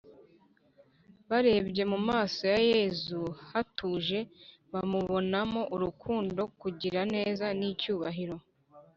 barebye mu maso ha yesu hatuje, bamubonamo urukundo, kugira neza n’icyubahiro